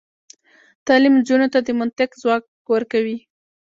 تعلیم نجونو ته د منطق ځواک ورکوي.